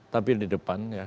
tapi di depan ya